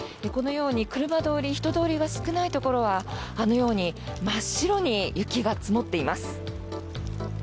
このように車通り、人通りが少ないところはあのように真っ白に雪が積もっています。